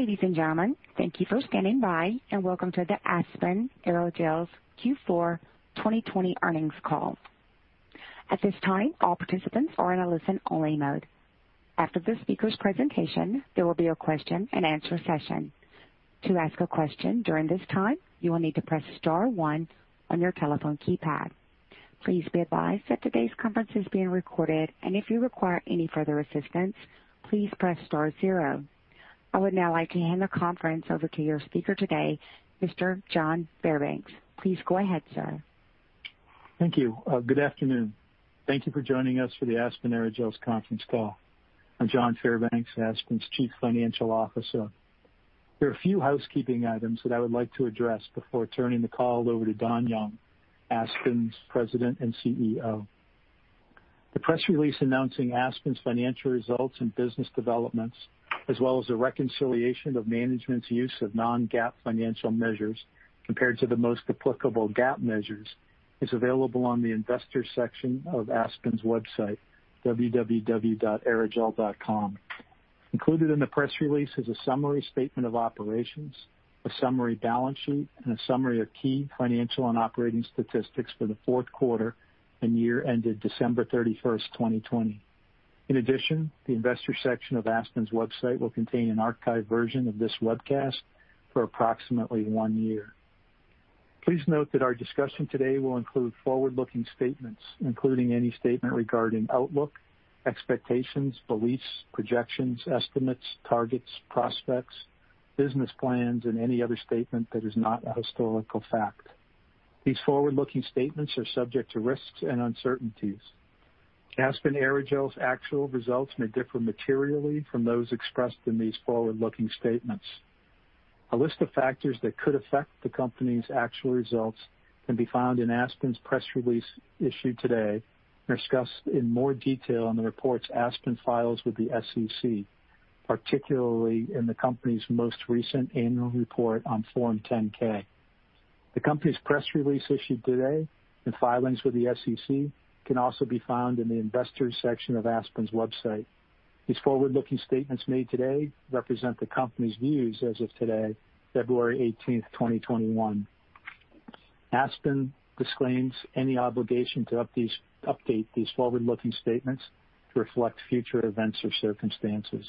Ladies and gentlemen, thank you for standing by and welcome to the Aspen Aerogels Q4 2020 earnings call. At this time, all participants are in a listen-only mode. After the speaker's presentation, there will be a question-and-answer session. To ask a question during this time, you will need to press star one on your telephone keypad. Please be advised that today's conference is being recorded, and if you require any further assistance, please press star zero. I would now like to hand the conference over to your speaker today, Mr. John Fairbanks. Please go ahead, sir. Thank you. Good afternoon. Thank you for joining us for the Aspen Aerogels conference call. I'm John Fairbanks, Aspen's Chief Financial Officer. There are a few housekeeping items that I would like to address before turning the call over to Don Young, Aspen's President and CEO. The press release announcing Aspen's financial results and business developments, as well as a reconciliation of management's use of non-GAAP financial measures compared to the most applicable GAAP measures, is available on the investor section of Aspen's website, www.aerogel.com. Included in the press release is a summary statement of operations, a summary balance sheet, and a summary of key financial and operating statistics for the fourth quarter and year ended December 31st, 2020. In addition, the investor section of Aspen's website will contain an archived version of this webcast for approximately one year. Please note that our discussion today will include forward-looking statements, including any statement regarding outlook, expectations, beliefs, projections, estimates, targets, prospects, business plans, and any other statement that is not a historical fact. These forward-looking statements are subject to risks and uncertainties. Aspen Aerogels' actual results may differ materially from those expressed in these forward-looking statements. A list of factors that could affect the company's actual results can be found in Aspen's press release issued today and discussed in more detail in the reports Aspen files with the SEC, particularly in the company's most recent annual report on Form 10-K. The company's press release issued today and filings with the SEC can also be found in the investor section of Aspen's website. These forward-looking statements made today represent the company's views as of today, February 18th, 2021. Aspen disclaims any obligation to update these forward-looking statements to reflect future events or circumstances.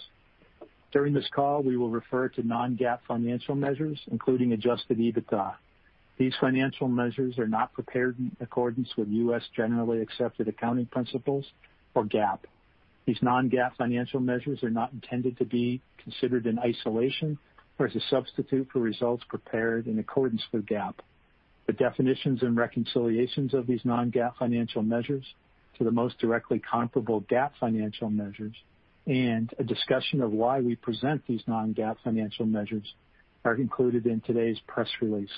During this call, we will refer to non-GAAP financial measures, including Adjusted EBITDA. These financial measures are not prepared in accordance with U.S. generally accepted accounting principles or GAAP. These non-GAAP financial measures are not intended to be considered in isolation or as a substitute for results prepared in accordance with GAAP. The definitions and reconciliations of these non-GAAP financial measures to the most directly comparable GAAP financial measures and a discussion of why we present these non-GAAP financial measures are included in today's press release.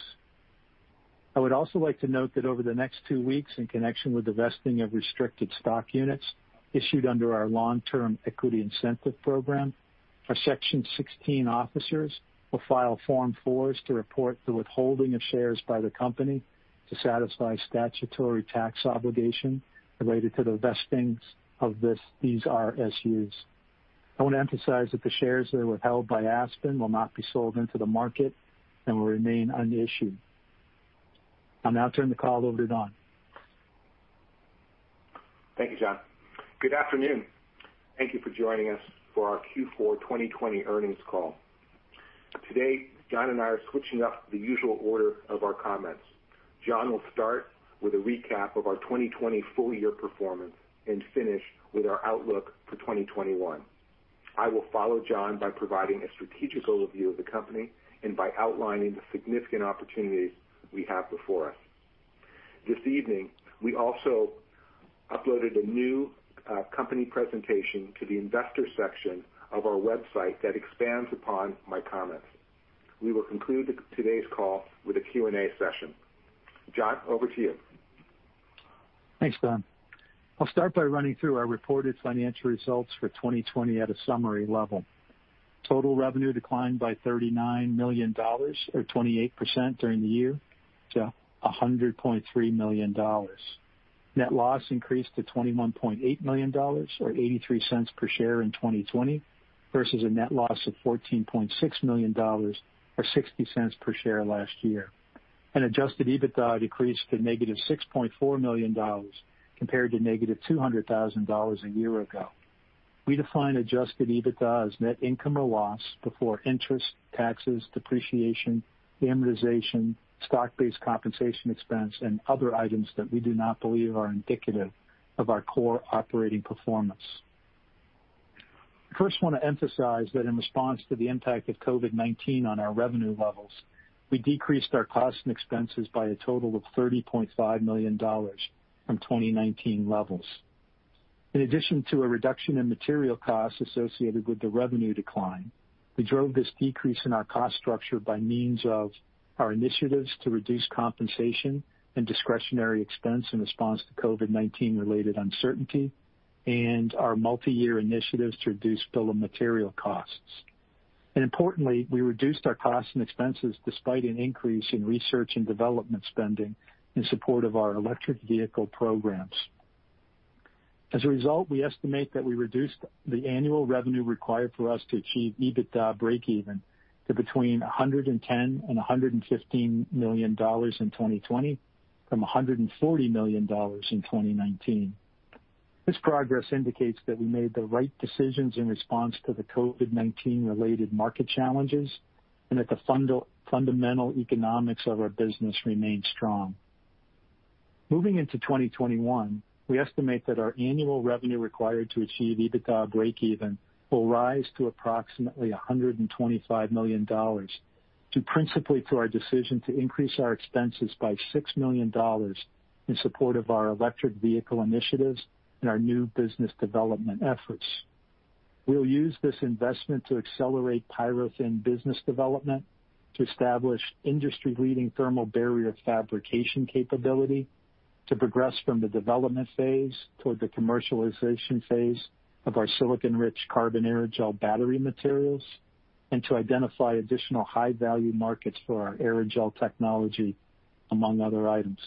I would also like to note that over the next two weeks, in connection with the vesting of restricted stock units issued under our long-term equity incentive program, our Section 16 officers will file Form 4s to report the withholding of shares by the company to satisfy statutory tax obligation related to the vestings of these RSUs. I want to emphasize that the shares that are withheld by Aspen will not be sold into the market and will remain unissued. I'll now turn the call over to Don. Thank you, John. Good afternoon. Thank you for joining us for our Q4 2020 earnings call. Today, John and I are switching up the usual order of our comments. John will start with a recap of our 2020 full-year performance and finish with our outlook for 2021. I will follow John by providing a strategic overview of the company and by outlining the significant opportunities we have before us. This evening, we also uploaded a new company presentation to the investor section of our website that expands upon my comments. We will conclude today's call with a Q&A session. John, over to you. Thanks, Don. I'll start by running through our reported financial results for 2020 at a summary level. Total revenue declined by $39 million, or 28% during the year, to $100.3 million. Net loss increased to $21.8 million, or $0.83 per share in 2020, versus a net loss of $14.6 million, or $0.60 per share last year. Adjusted EBITDA decreased to negative $6.4 million, compared to negative $200,000 a year ago. We define adjusted EBITDA as net income or loss before interest, taxes, depreciation, amortization, stock-based compensation expense, and other items that we do not believe are indicative of our core operating performance. I first want to emphasize that in response to the impact of COVID-19 on our revenue levels, we decreased our costs and expenses by a total of $30.5 million from 2019 levels. In addition to a reduction in material costs associated with the revenue decline, we drove this decrease in our cost structure by means of our initiatives to reduce compensation and discretionary expense in response to COVID-19-related uncertainty and our multi-year initiatives to reduce bill of material costs. And importantly, we reduced our costs and expenses despite an increase in research and development spending in support of our electric vehicle programs. As a result, we estimate that we reduced the annual revenue required for us to achieve EBITDA break-even to between $110 million and $115 million in 2020, from $140 million in 2019. This progress indicates that we made the right decisions in response to the COVID-19-related market challenges and that the fundamental economics of our business remain strong. Moving into 2021, we estimate that our annual revenue required to achieve EBITDA break-even will rise to approximately $125 million, due principally to our decision to increase our expenses by $6 million in support of our electric vehicle initiatives and our new business development efforts. We'll use this investment to accelerate PyroThin business development, to establish industry-leading thermal barrier fabrication capability, to progress from the development phase toward the commercialization phase of our silicon-rich carbon aerogel battery materials, and to identify additional high-value markets for our aerogel technology, among other items.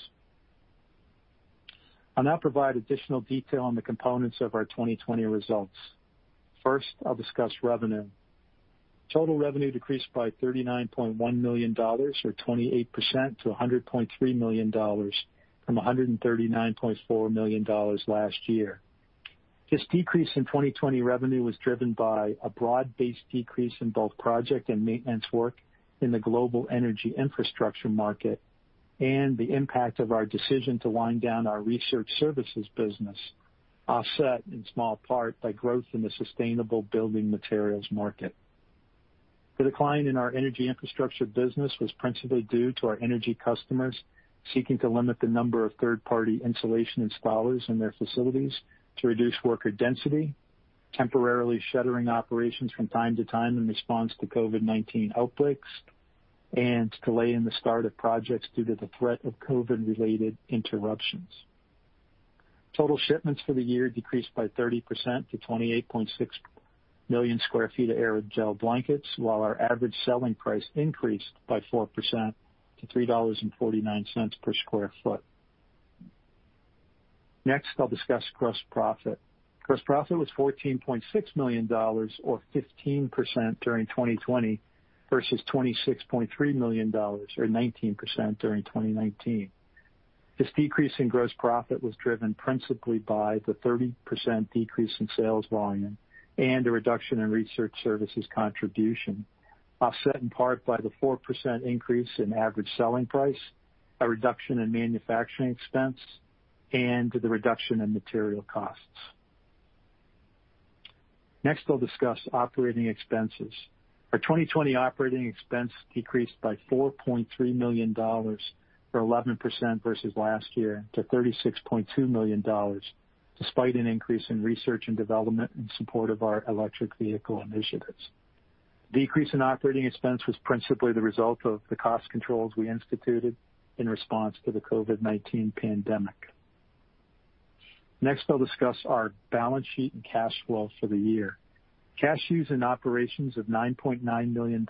I'll now provide additional detail on the components of our 2020 results. First, I'll discuss revenue. Total revenue decreased by $39.1 million, or 28%, to $100.3 million, from $139.4 million last year. This decrease in 2020 revenue was driven by a broad-based decrease in both project and maintenance work in the global energy infrastructure market and the impact of our decision to wind down our research services business, offset in small part by growth in the sustainable building materials market. The decline in our energy infrastructure business was principally due to our energy customers seeking to limit the number of third-party insulation installers in their facilities to reduce worker density, temporarily shuttering operations from time to time in response to COVID-19 outbreaks, and delaying the start of projects due to the threat of COVID-related interruptions. Total shipments for the year decreased by 30% to 28.6 million sq ft of aerogel blankets, while our average selling price increased by 4% to $3.49 per sq ft. Next, I'll discuss gross profit. Gross profit was $14.6 million, or 15%, during 2020, versus $26.3 million, or 19%, during 2019. This decrease in gross profit was driven principally by the 30% decrease in sales volume and a reduction in research services contribution, offset in part by the 4% increase in average selling price, a reduction in manufacturing expense, and the reduction in material costs. Next, I'll discuss operating expenses. Our 2020 operating expense decreased by $4.3 million, or 11%, versus last year, to $36.2 million, despite an increase in research and development in support of our electric vehicle initiatives. The decrease in operating expense was principally the result of the cost controls we instituted in response to the COVID-19 pandemic. Next, I'll discuss our balance sheet and cash flow for the year. Cash used in operations of $9.9 million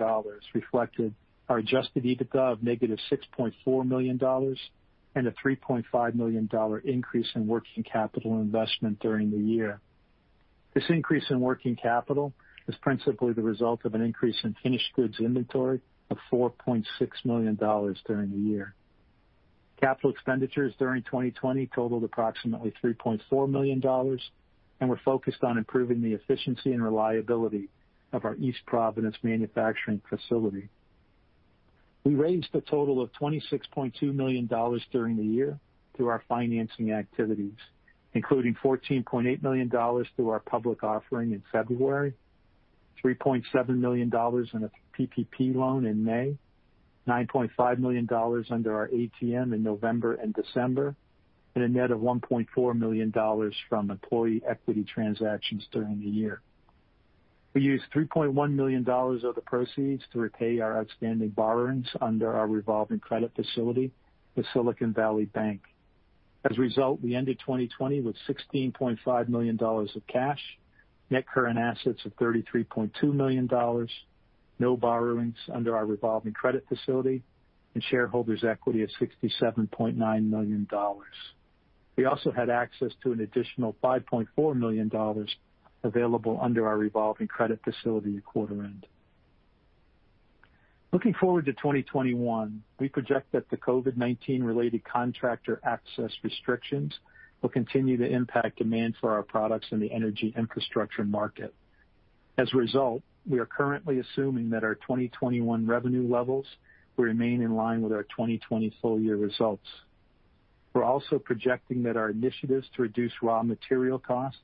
reflected our Adjusted EBITDA of negative $6.4 million and a $3.5 million increase in working capital investment during the year. This increase in working capital is principally the result of an increase in finished goods inventory of $4.6 million during the year. Capital expenditures during 2020 totaled approximately $3.4 million, and we're focused on improving the efficiency and reliability of our East Providence manufacturing facility. We raised a total of $26.2 million during the year through our financing activities, including $14.8 million through our public offering in February, $3.7 million in a PPP loan in May, $9.5 million under our ATM in November and December, and a net of $1.4 million from employee equity transactions during the year. We used $3.1 million of the proceeds to repay our outstanding borrowings under our revolving credit facility with Silicon Valley Bank. As a result, we ended 2020 with $16.5 million of cash, net current assets of $33.2 million, no borrowings under our revolving credit facility, and shareholders' equity of $67.9 million. We also had access to an additional $5.4 million available under our revolving credit facility at quarter end. Looking forward to 2021, we project that the COVID-19-related contractor access restrictions will continue to impact demand for our products in the energy infrastructure market. As a result, we are currently assuming that our 2021 revenue levels will remain in line with our 2020 full-year results. We're also projecting that our initiatives to reduce raw material costs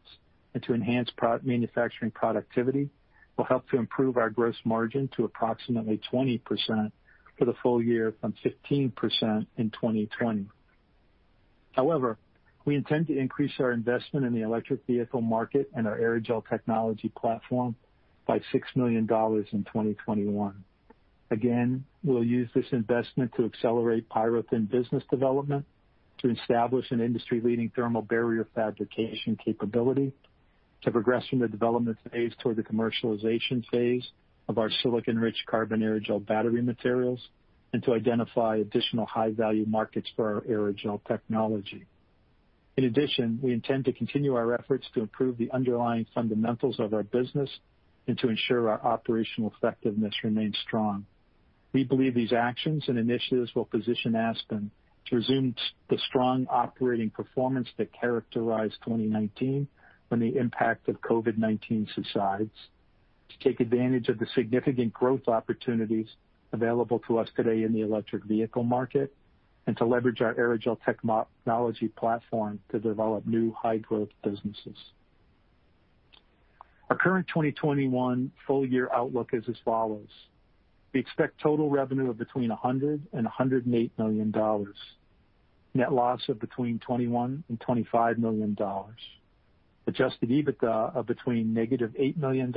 and to enhance manufacturing productivity will help to improve our gross margin to approximately 20% for the full year from 15% in 2020. However, we intend to increase our investment in the electric vehicle market and our aerogel technology platform by $6 million in 2021. Again, we'll use this investment to accelerate PyroThin business development, to establish an industry-leading thermal barrier fabrication capability, to progress from the development phase toward the commercialization phase of our silicon-rich carbon aerogel battery materials, and to identify additional high-value markets for our aerogel technology. In addition, we intend to continue our efforts to improve the underlying fundamentals of our business and to ensure our operational effectiveness remains strong. We believe these actions and initiatives will position Aspen to resume the strong operating performance that characterized 2019 when the impact of COVID-19 subsides, to take advantage of the significant growth opportunities available to us today in the electric vehicle market, and to leverage our aerogel technology platform to develop new high-growth businesses. Our current 2021 full-year outlook is as follows. We expect total revenue of between $100 million and $108 million, net loss of between $21 million and $25 million, adjusted EBITDA of between negative $8 million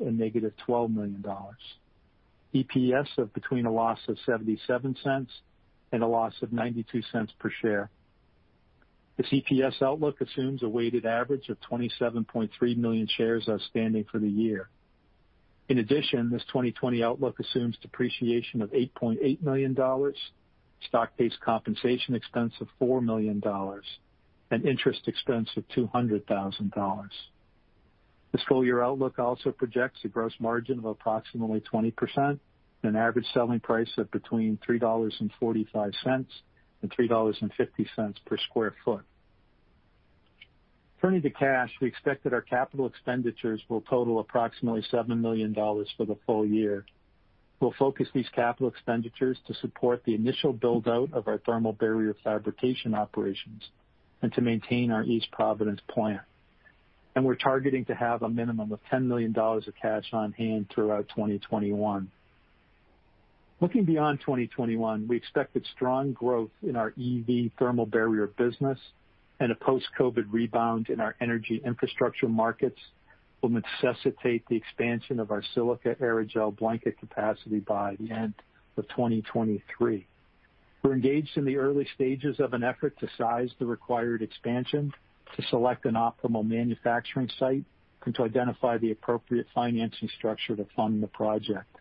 and negative $12 million, EPS of between a loss of $0.77 and a loss of $0.92 per share. This EPS outlook assumes a weighted average of 27.3 million shares outstanding for the year. In addition, this 2020 outlook assumes depreciation of $8.8 million, stock-based compensation expense of $4 million, and interest expense of $200,000. This full-year outlook also projects a gross margin of approximately 20% and an average selling price of between $3.45 and $3.50 per sq ft. Turning to cash, we expect that our capital expenditures will total approximately $7 million for the full year. We'll focus these capital expenditures to support the initial build-out of our thermal barrier fabrication operations and to maintain our East Providence plant. And we're targeting to have a minimum of $10 million of cash on hand throughout 2021. Looking beyond 2021, we expect strong growth in our EV thermal barrier business and a post-COVID rebound in our energy infrastructure markets will necessitate the expansion of our silica aerogel blanket capacity by the end of 2023. We're engaged in the early stages of an effort to size the required expansion, to select an optimal manufacturing site, and to identify the appropriate financing structure to fund the project.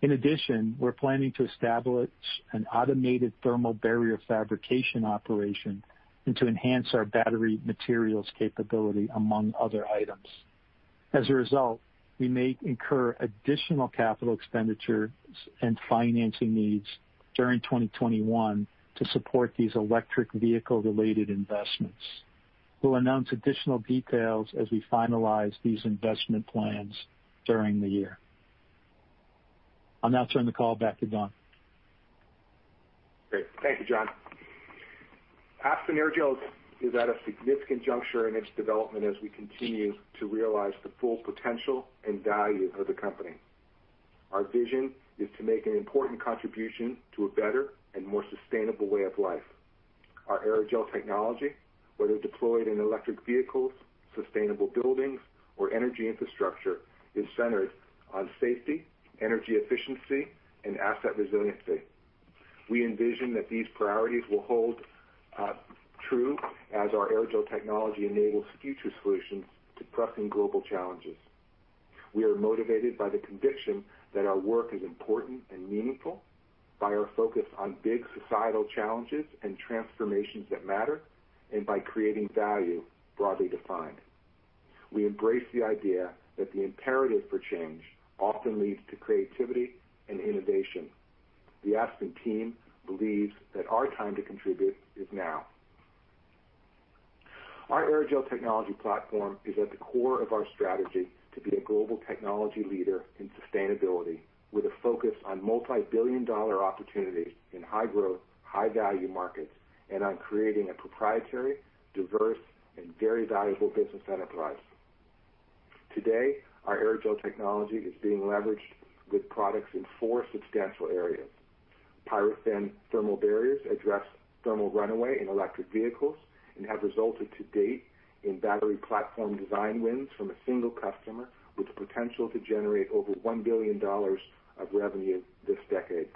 In addition, we're planning to establish an automated thermal barrier fabrication operation and to enhance our battery materials capability, among other items. As a result, we may incur additional capital expenditure and financing needs during 2021 to support these electric vehicle-related investments. We'll announce additional details as we finalize these investment plans during the year. I'll now turn the call back to Don. Great. Thank you, John. Aspen Aerogels is at a significant juncture in its development as we continue to realize the full potential and value of the company. Our vision is to make an important contribution to a better and more sustainable way of life. Our aerogel technology, whether deployed in electric vehicles, sustainable buildings, or energy infrastructure, is centered on safety, energy efficiency, and asset resiliency. We envision that these priorities will hold true as our aerogel technology enables future solutions to pressing global challenges. We are motivated by the conviction that our work is important and meaningful, by our focus on big societal challenges and transformations that matter, and by creating value broadly defined. We embrace the idea that the imperative for change often leads to creativity and innovation. The Aspen team believes that our time to contribute is now. Our aerogel technology platform is at the core of our strategy to be a global technology leader in sustainability, with a focus on multi-billion dollar opportunities in high-growth, high-value markets and on creating a proprietary, diverse, and very valuable business enterprise. Today, our aerogel technology is being leveraged with products in four substantial areas. PyroThin thermal barriers address thermal runaway in electric vehicles and have resulted to date in battery platform design wins from a single customer, with the potential to generate over $1 billion of revenue this decade.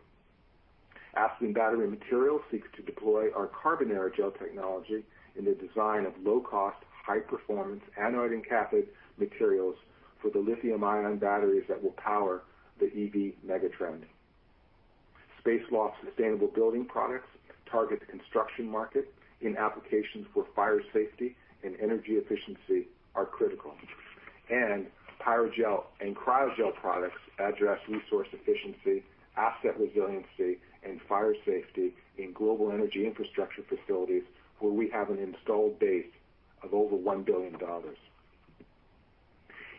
Aspen Battery Materials seeks to deploy our carbon aerogel technology in the design of low-cost, high-performance anode-cathode materials for the lithium-ion batteries that will power the EV megatrend. SpaceLoft's sustainable building products target the construction market in applications where fire safety and energy efficiency are critical. Pyrogel and Cryogel products address resource efficiency, asset resiliency, and fire safety in global energy infrastructure facilities where we have an installed base of over $1 billion.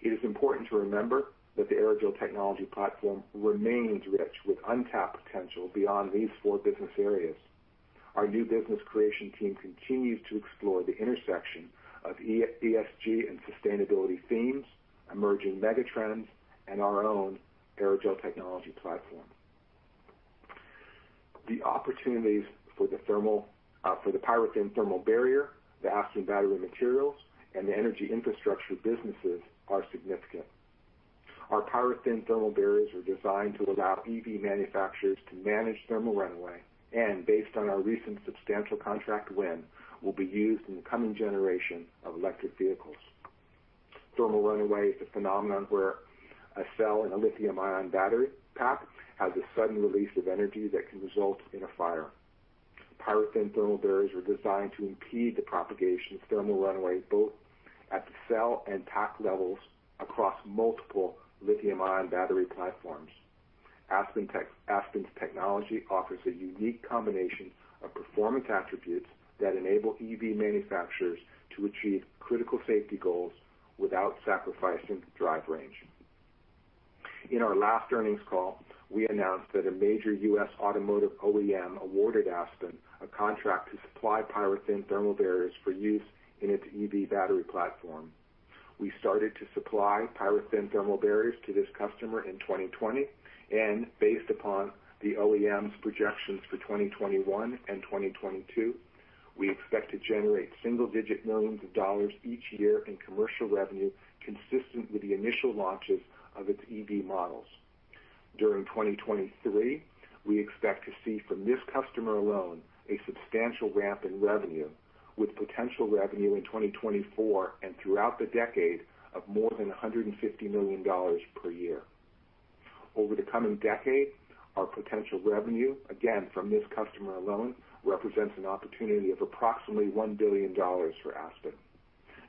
It is important to remember that the aerogel technology platform remains rich with untapped potential beyond these four business areas. Our new business creation team continues to explore the intersection of ESG and sustainability themes, emerging megatrends, and our own aerogel technology platform. The opportunities for the PyroThin thermal barrier, the Aspen Battery Materials, and the energy infrastructure businesses are significant. Our PyroThin thermal barriers are designed to allow EV manufacturers to manage thermal runaway and, based on our recent substantial contract win, will be used in the coming generation of electric vehicles. Thermal runaway is a phenomenon where a cell in a lithium-ion battery pack has a sudden release of energy that can result in a fire. PyroThin thermal barriers are designed to impede the propagation of thermal runaway both at the cell and pack levels across multiple lithium-ion battery platforms. Aspen's technology offers a unique combination of performance attributes that enable EV manufacturers to achieve critical safety goals without sacrificing drive range. In our last earnings call, we announced that a major U.S. automotive OEM awarded Aspen a contract to supply PyroThin thermal barriers for use in its EV battery platform. We started to supply PyroThin thermal barriers to this customer in 2020, and based upon the OEM's projections for 2021 and 2022, we expect to generate single-digit millions of dollars each year in commercial revenue consistent with the initial launches of its EV models. During 2023, we expect to see from this customer alone a substantial ramp in revenue, with potential revenue in 2024 and throughout the decade of more than $150 million per year. Over the coming decade, our potential revenue, again from this customer alone, represents an opportunity of approximately $1 billion for Aspen.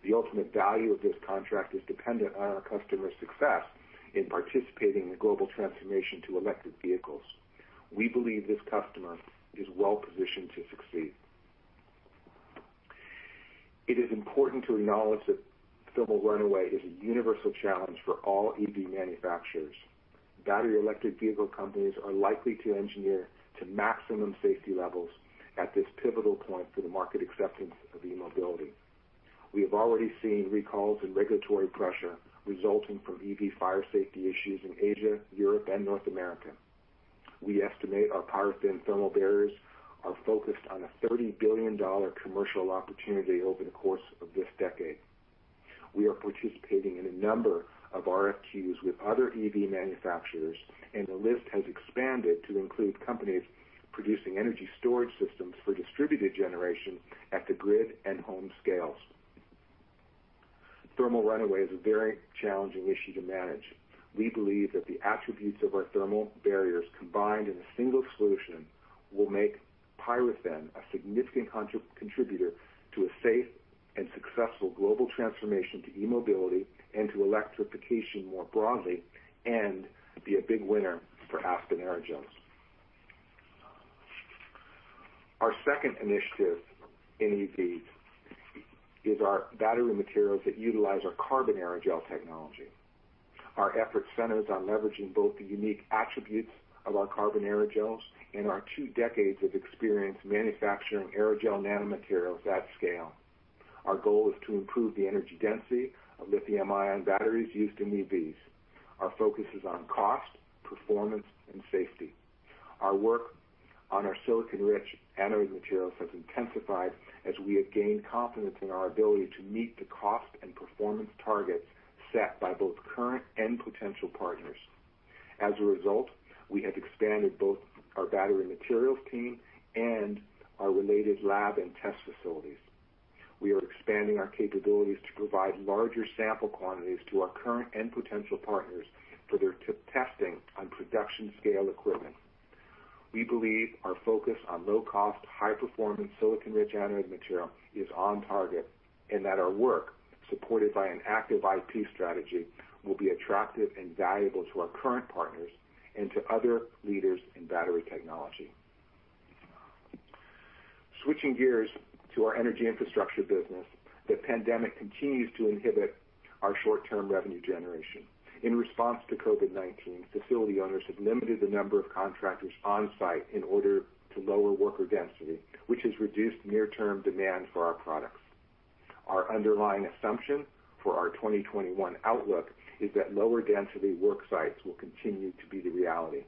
The ultimate value of this contract is dependent on our customer's success in participating in the global transformation to electric vehicles. We believe this customer is well-positioned to succeed. It is important to acknowledge that thermal runaway is a universal challenge for all EV manufacturers. Battery electric vehicle companies are likely to engineer to maximum safety levels at this pivotal point for the market acceptance of e-mobility. We have already seen recalls and regulatory pressure resulting from EV fire safety issues in Asia, Europe, and North America. We estimate our PyroThin thermal barriers are focused on a $30 billion commercial opportunity over the course of this decade. We are participating in a number of RFQs with other EV manufacturers, and the list has expanded to include companies producing energy storage systems for distributed generation at the grid and home scales. Thermal runaway is a very challenging issue to manage. We believe that the attributes of our thermal barriers combined in a single solution will make PyroThin a significant contributor to a safe and successful global transformation to e-mobility and to electrification more broadly and be a big winner for Aspen Aerogels. Our second initiative in EVs is our battery materials that utilize our carbon aerogel technology. Our effort centers on leveraging both the unique attributes of our carbon aerogels and our two decades of experience manufacturing aerogel nanomaterials at scale. Our goal is to improve the energy density of lithium-ion batteries used in EVs. Our focus is on cost, performance, and safety. Our work on our silicon-rich carbon materials has intensified as we have gained confidence in our ability to meet the cost and performance targets set by both current and potential partners. As a result, we have expanded both our battery materials team and our related lab and test facilities. We are expanding our capabilities to provide larger sample quantities to our current and potential partners for their testing on production-scale equipment. We believe our focus on low-cost, high-performance, silicon-rich anode material is on target and that our work, supported by an active IP strategy, will be attractive and valuable to our current partners and to other leaders in battery technology. Switching gears to our energy infrastructure business, the pandemic continues to inhibit our short-term revenue generation. In response to COVID-19, facility owners have limited the number of contractors on site in order to lower worker density, which has reduced near-term demand for our products. Our underlying assumption for our 2021 outlook is that lower density work sites will continue to be the reality.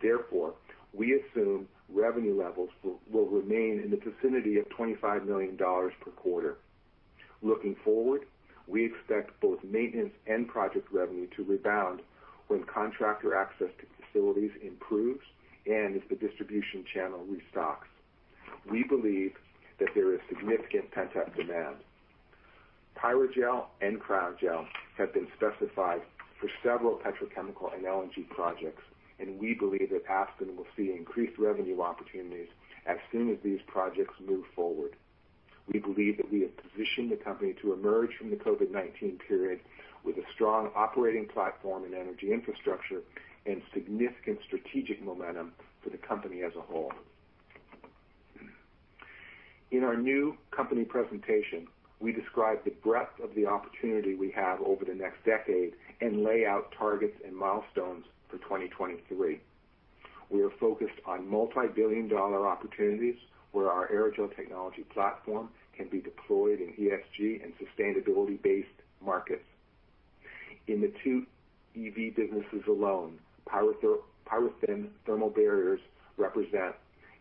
Therefore, we assume revenue levels will remain in the vicinity of $25 million per quarter. Looking forward, we expect both maintenance and project revenue to rebound when contractor access to facilities improves and if the distribution channel restocks. We believe that there is significant pent-up demand. Pyrogel and Cryogel have been specified for several petrochemical analogous projects, and we believe that Aspen will see increased revenue opportunities as soon as these projects move forward. We believe that we have positioned the company to emerge from the COVID-19 period with a strong operating platform and energy infrastructure and significant strategic momentum for the company as a whole. In our new company presentation, we describe the breadth of the opportunity we have over the next decade and lay out targets and milestones for 2023. We are focused on multi-billion dollar opportunities where our aerogel technology platform can be deployed in ESG and sustainability-based markets. In the two EV businesses alone, PyroThin thermal barriers represent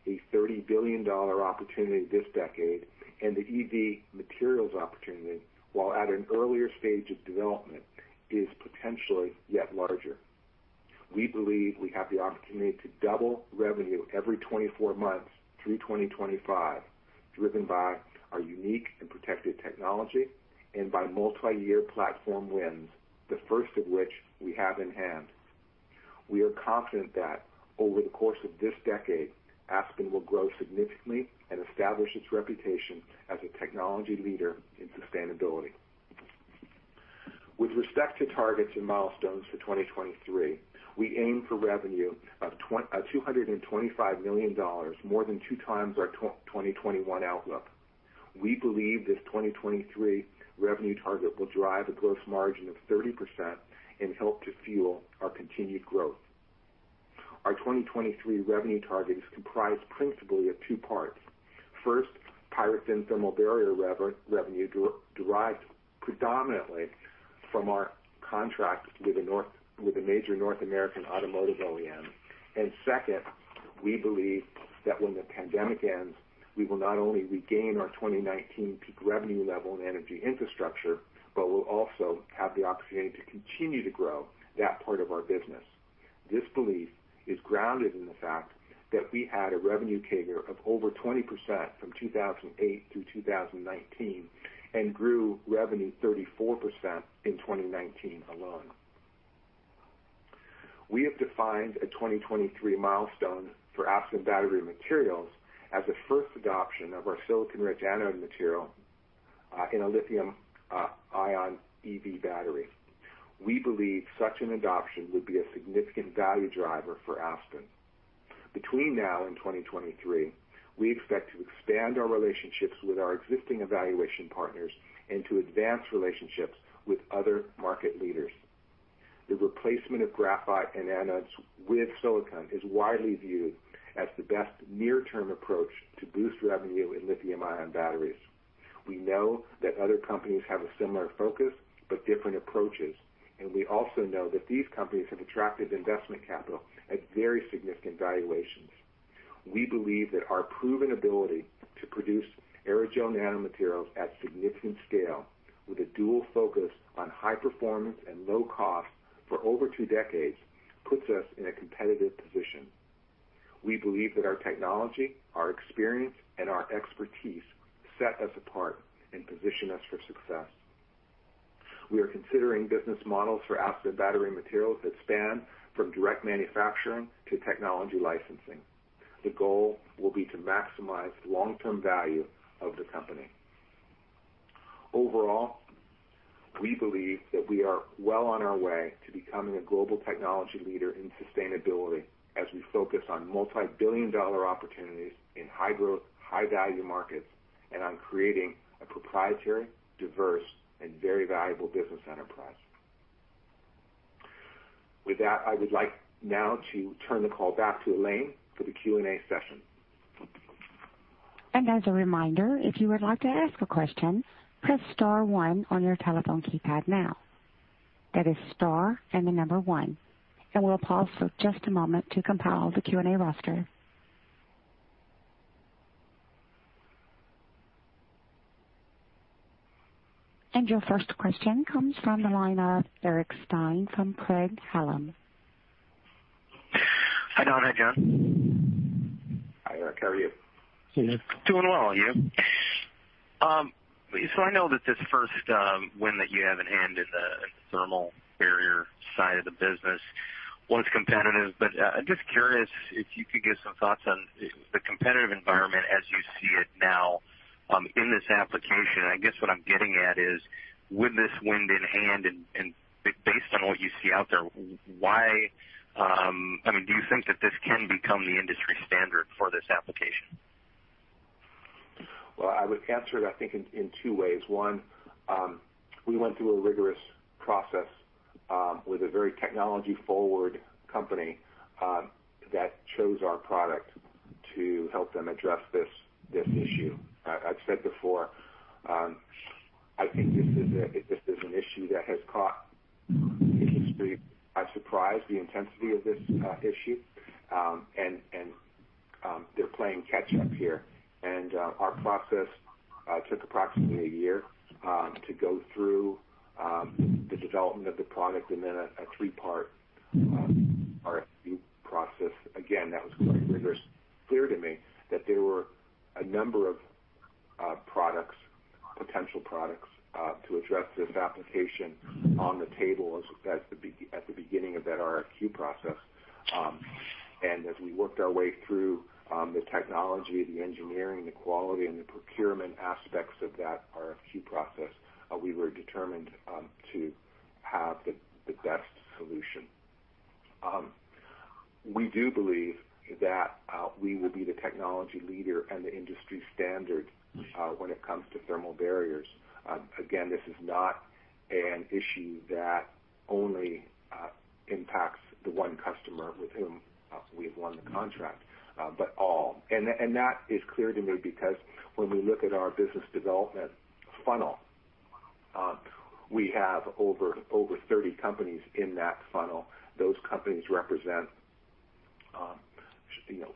a $30 billion opportunity this decade, and the EV materials opportunity, while at an earlier stage of development, is potentially yet larger. We believe we have the opportunity to double revenue every 24 months through 2025, driven by our unique and protected technology and by multi-year platform wins, the first of which we have in hand. We are confident that over the course of this decade, Aspen will grow significantly and establish its reputation as a technology leader in sustainability. With respect to targets and milestones for 2023, we aim for revenue of $225 million, more than two times our 2021 outlook. We believe this 2023 revenue target will drive a gross margin of 30% and help to fuel our continued growth. Our 2023 revenue target is comprised principally of two parts. First, PyroThin thermal barrier revenue derived predominantly from our contract with a major North American automotive OEM, and second, we believe that when the pandemic ends, we will not only regain our 2019 peak revenue level in energy infrastructure, but we'll also have the opportunity to continue to grow that part of our business. This belief is grounded in the fact that we had a revenue figure of over 20% from 2008 through 2019 and grew revenue 34% in 2019 alone. We have defined a 2023 milestone for Aspen Battery Materials as a first adoption of our silicon-rich anode material in a lithium-ion EV battery. We believe such an adoption would be a significant value driver for Aspen. Between now and 2023, we expect to expand our relationships with our existing evaluation partners and to advance relationships with other market leaders. The replacement of graphite and anodes with silicon is widely viewed as the best near-term approach to boost revenue in lithium-ion batteries. We know that other companies have a similar focus but different approaches, and we also know that these companies have attracted investment capital at very significant valuations. We believe that our proven ability to produce aerogel nanomaterials at significant scale, with a dual focus on high performance and low cost for over two decades, puts us in a competitive position. We believe that our technology, our experience, and our expertise set us apart and position us for success. We are considering business models for Aspen Battery Materials that span from direct manufacturing to technology licensing. The goal will be to maximize the long-term value of the company. Overall, we believe that we are well on our way to becoming a global technology leader in sustainability as we focus on multi-billion dollar opportunities in high-value markets and on creating a proprietary, diverse, and very valuable business enterprise. With that, I would like now to turn the call back to Elaine for the Q&A session. And as a reminder, if you would like to ask a question, press star one on your telephone keypad now. That is star and the number one. And we'll pause for just a moment to compile the Q&A roster. And your first question comes from the line of Eric Stine from Craig-Hallum. Hi, Don, again. Hi Eric, how are you? Doing well, how are you? So I know that this first win that you have in hand is in the thermal barrier side of the business. It's competitive, but I'm just curious if you could give some thoughts on the competitive environment as you see it now in this application. I guess what I'm getting at is, with this win in hand and based on what you see out there, why I mean, do you think that this can become the industry standard for this application? I would answer that, I think, in two ways. One, we went through a rigorous process with a very technology-forward company that chose our product to help them address this issue. I've said before, I think this is an issue that has caught a surprise, the intensity of this issue, and they're playing catch-up here. And our process took approximately a year to go through the development of the product and then a three-part RFQ process. Again, that was very rigorous. It's clear to me that there were a number of potential products to address this application on the table at the beginning of that RFQ process. And as we worked our way through the technology, the engineering, the quality, and the procurement aspects of that RFQ process, we were determined to have the best solution. We do believe that we will be the technology leader and the industry standard when it comes to thermal barriers. Again, this is not an issue that only impacts the one customer with whom we've won the contract, but all, and that is clear to me because when we look at our business development funnel, we have over 30 companies in that funnel. Those companies represent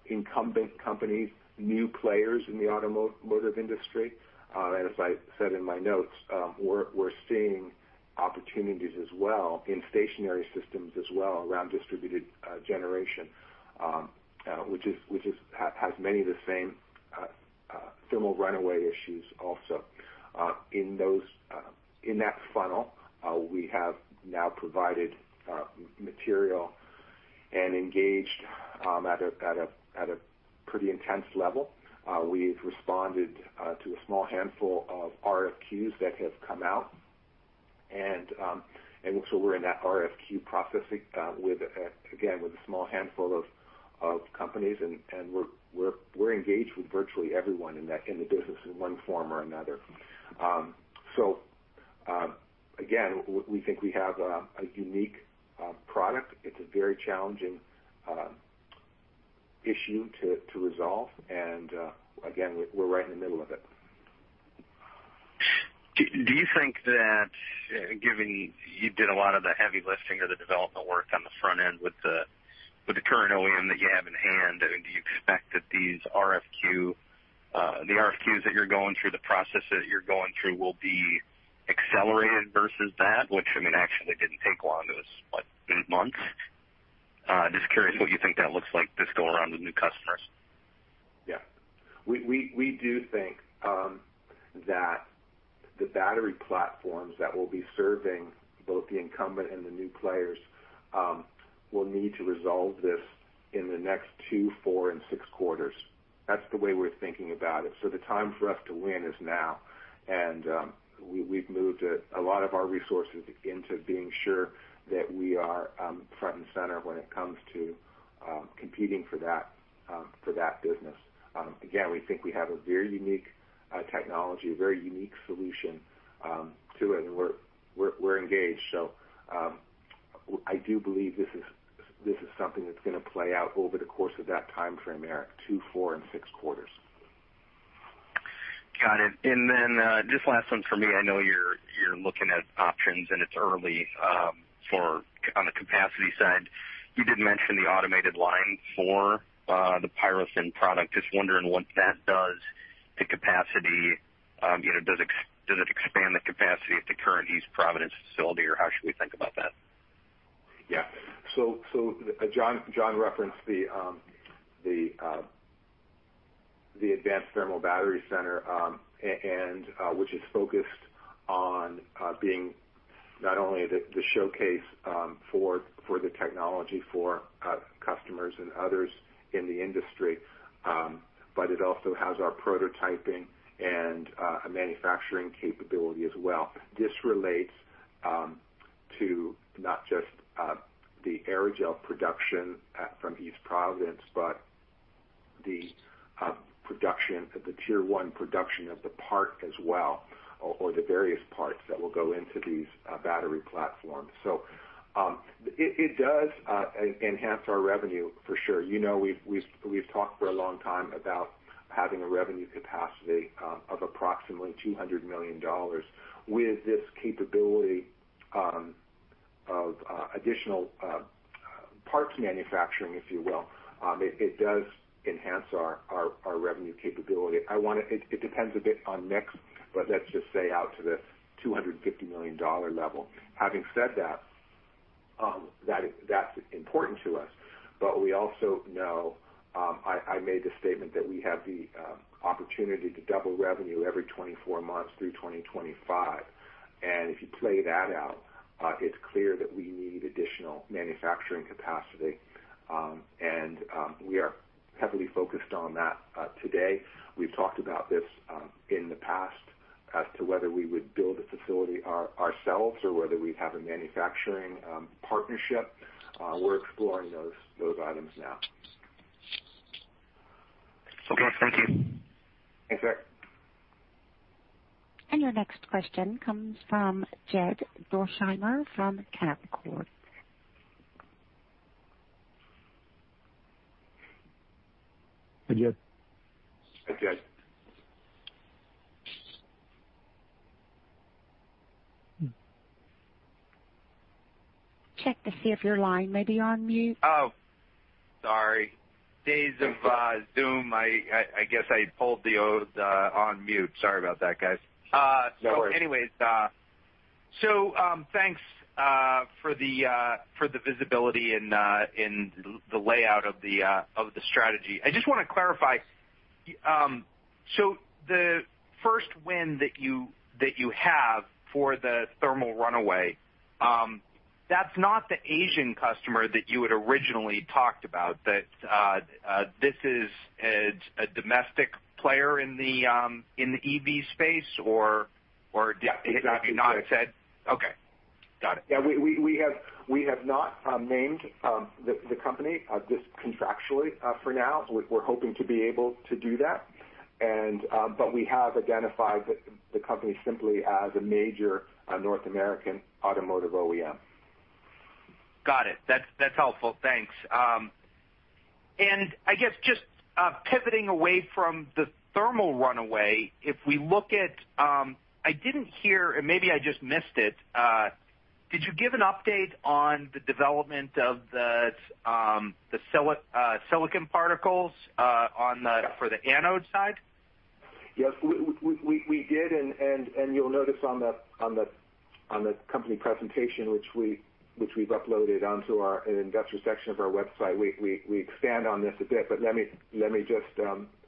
incumbent companies, new players in the automotive industry. As I said in my notes, we're seeing opportunities as well in stationary systems as well around distributed generation, which has many of the same thermal runaway issues also. In that funnel, we have now provided material and engaged at a pretty intense level. We've responded to a small handful of RFQs that have come out. And so we're in that RFQ process, again, with a small handful of companies, and we're engaged with virtually everyone in the business in one form or another, so again, we think we have a unique product. It's a very challenging issue to resolve, and again, we're right in the middle of it. Do you think that, given you did a lot of the heavy lifting or the development work on the front end with the current OEM that you have in hand, do you expect that the RFQs that you're going through, the processes that you're going through, will be accelerated versus that, which, I mean, actually didn't take long, it was eight months? Just curious what you think that looks like this go around with new customers. Yeah. We do think that the battery platforms that will be serving both the incumbent and the new players will need to resolve this in the next two, four, and six quarters. That's the way we're thinking about it. So the time for us to win is now. And we've moved a lot of our resources into being sure that we are front and center when it comes to competing for that business. Again, we think we have a very unique technology, a very unique solution to it, and we're engaged. So I do believe this is something that's going to play out over the course of that timeframe, Eric, two, four, and six quarters. Got it. And then just last one for me. I know you're looking at options and it's early on the capacity side. You did mention the automated line for the PyroThin product. Just wondering what that does to capacity. Does it expand the capacity at the current East Providence facility, or how should we think about that? Yeah. So John referenced the Advanced Thermal Barrier Center, which is focused on being not only the showcase for the technology for customers and others in the industry, but it also has our prototyping and manufacturing capability as well. This relates to not just the aerogel production from East Providence, but the tier one production of the part as well, or the various parts that will go into these battery platforms. So it does enhance our revenue for sure. We've talked for a long time about having a revenue capacity of approximately $200 million with this capability of additional parts manufacturing, if you will. It does enhance our revenue capability. It depends a bit on NICs, but let's just say out to the $250 million level. Having said that, that's important to us. But we also know I made the statement that we have the opportunity to double revenue every 24 months through 2025. And if you play that out, it's clear that we need additional manufacturing capacity. And we are heavily focused on that today. We've talked about this in the past as to whether we would build a facility ourselves or whether we'd have a manufacturing partnership. We're exploring those items now. Thank you. Your next question comes from Jed Dorsheimer from Canaccord Genuity. Hi, Jed. Hi, Jed. Check to see if your line may be on mute. Oh, sorry. Days of Zoom, I guess I pulled the unmute. Sorry about that, guys. No worries. Anyways, so thanks for the visibility and the layout of the strategy. I just want to clarify. So the first win that you have for the thermal runaway, that's not the Asian customer that you had originally talked about. This is a domestic player in the EV space, or did you not say? Yeah. Okay. Got it. Yeah. We have not named the company just contractually for now. We're hoping to be able to do that. But we have identified the company simply as a major North American automotive OEM. Got it. That's helpful. Thanks. And I guess just pivoting away from the thermal runaway, if we look at, I didn't hear, and maybe I just missed it. Did you give an update on the development of the silicon particles for the anode side? Yes, we did, and you'll notice on the company presentation, which we've uploaded onto our industrial section of our website, we expand on this a bit, but let me just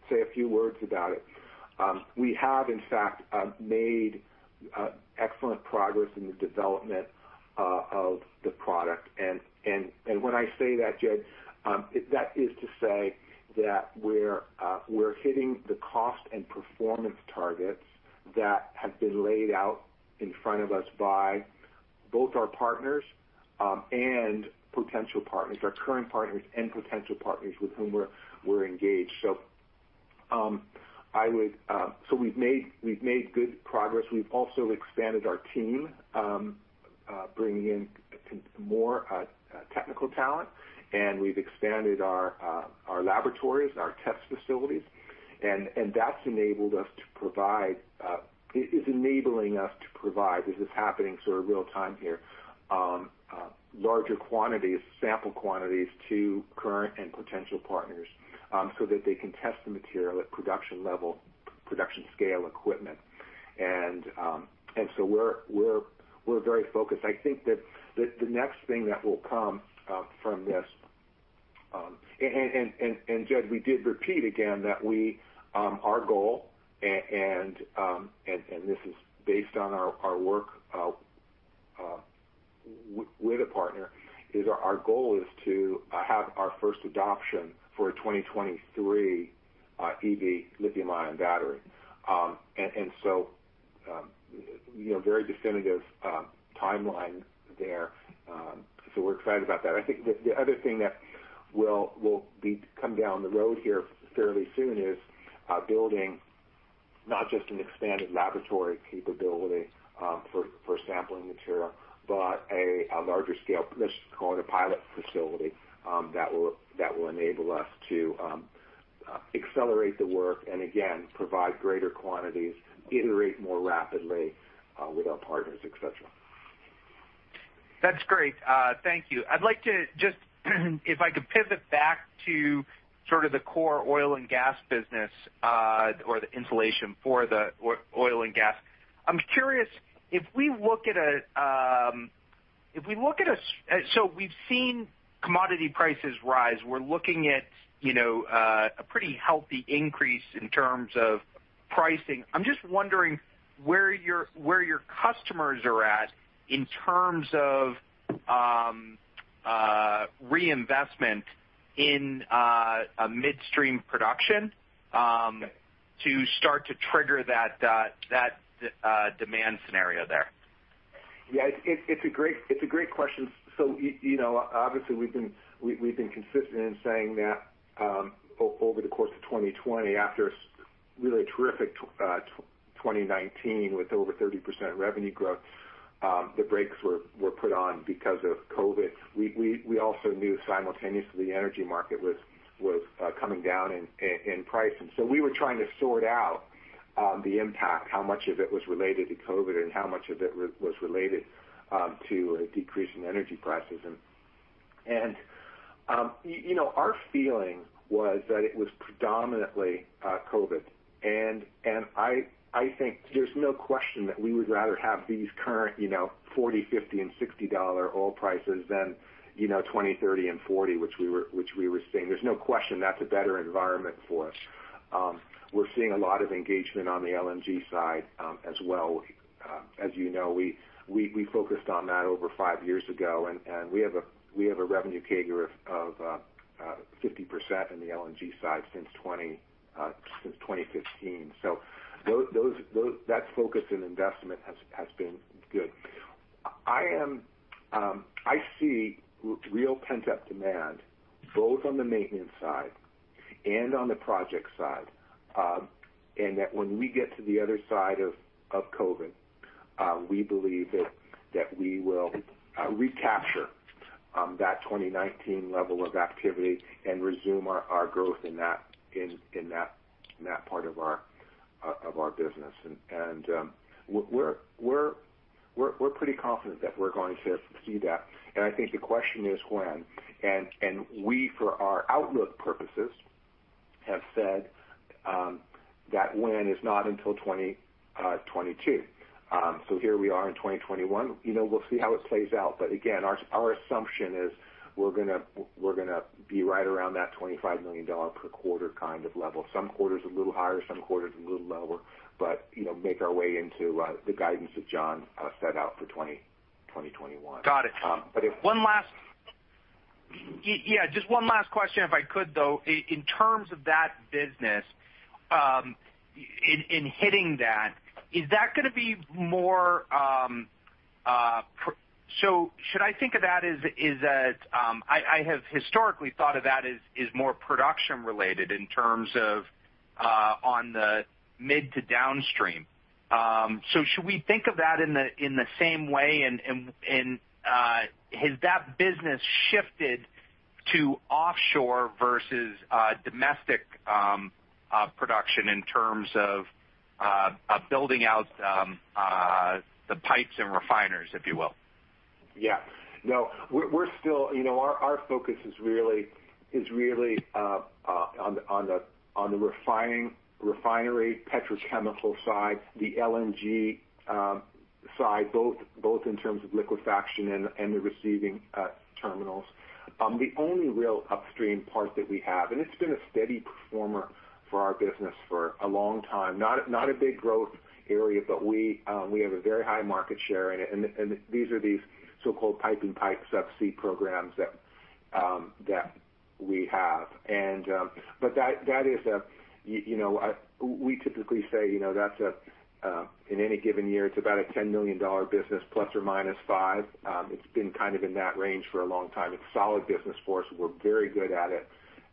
say a few words about it. We have, in fact, made excellent progress in the development of the product, and when I say that, Jed, that is to say that we're hitting the cost and performance targets that have been laid out in front of us by both our partners and potential partners, our current partners and potential partners with whom we're engaged, so we've made good progress. We've also expanded our team, bringing in more technical talent, and we've expanded our laboratories and our test facilities. And that's enabling us to provide this is happening sort of real-time here larger quantities, sample quantities to current and potential partners so that they can test the material at production level, production scale equipment. And so we're very focused. I think that the next thing that will come from this and Jed, we did repeat again that our goal (and this is based on our work with a partner is to have our first adoption for a 2023 EV lithium-ion battery. And so very definitive timeline there. So we're excited about that. I think the other thing that will come down the road here fairly soon is building not just an expanded laboratory capability for sampling material, but a larger scale let's call it a pilot facility that will enable us to accelerate the work and, again, provide greater quantities, iterate more rapidly with our partners, etc. That's great. Thank you. I'd like to just, if I could pivot back to sort of the core oil and gas business or the insulation for the oil and gas. I'm curious if we look at—so we've seen commodity prices rise. We're looking at a pretty healthy increase in terms of pricing. I'm just wondering where your customers are at in terms of reinvestment in midstream production to start to trigger that demand scenario there. Yeah. It's a great question. So obviously, we've been consistent in saying that over the course of 2020, after a really terrific 2019 with over 30% revenue growth, the brakes were put on because of COVID. We also knew simultaneously the energy market was coming down in pricing. So we were trying to sort out the impact, how much of it was related to COVID and how much of it was related to a decrease in energy prices. And our feeling was that it was predominantly COVID. And I think there's no question that we would rather have these current $40, $50, and $60 oil prices than $20, $30, and $40, which we were seeing. There's no question that's a better environment for us. We're seeing a lot of engagement on the LNG side as well. As you know, we focused on that over five years ago. We have a revenue CAGR of 50% on the LNG side since 2015. So that focus in investment has been good. I see real pent-up demand, both on the maintenance side and on the project side. And that, when we get to the other side of COVID, we believe that we will recapture that 2019 level of activity and resume our growth in that part of our business. And we're pretty confident that we're going to see that. And I think the question is when. And we, for our outlook purposes, have said that when is not until 2022. So here we are in 2021. We'll see how it plays out. But again, our assumption is we're going to be right around that $25 million per quarter kind of level. Some quarters are a little higher, some quarters are a little lower, but make our way into the guidance that John set out for 2021. Got it. One last, yeah, just one last question, if I could, though. In terms of that business, in hitting that, is that going to be more, so should I think of that as a, I have historically thought of that as more production-related in terms of on the mid to downstream. So should we think of that in the same way? And has that business shifted to offshore versus domestic production in terms of building out the pipes and refiners, if you will? Yeah. No, we're still. Our focus is really on the refinery, petrochemical side, the LNG side, both in terms of liquefaction and the receiving terminals. The only real upstream part that we have, and it's been a steady performer for our business for a long time, not a big growth area, but we have a very high market share in it. And these are these so-called pipe-in-pipe subsea programs that we have. But that is. We typically say that's in any given year, it's about a $10 million business, plus or minus five. It's been kind of in that range for a long time. It's a solid business for us. We're very good at it.